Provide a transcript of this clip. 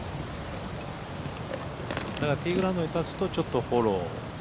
だからティーグラウンドに立つとちょっとフォロー。